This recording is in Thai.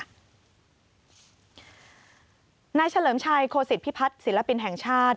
นายเฉลิมชัยโคศิษฐพิพัฒน์ศิลปินแห่งชาติ